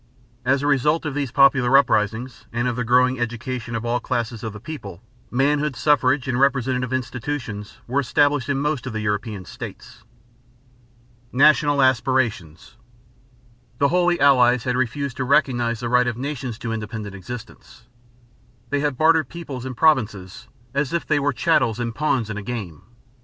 As a result of these popular uprisings and of the growing education of all classes of the people, manhood suffrage and representative institutions were established in most of the European states. NATIONAL ASPIRATIONS. The Holy Allies had refused to recognize the right of nations to independent existence. They had bartered peoples and provinces "as if they were chattels and pawns in a game."